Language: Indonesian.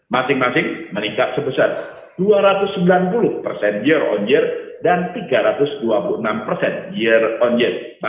masing masing meningkat sebesar dua ratus sembilan puluh persen year on year dan tiga ratus dua puluh enam persen year on year